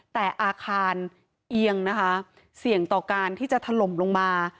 แต่อาคารเอียงนะคะเสี่ยงต่อการที่จะถล่มลงมา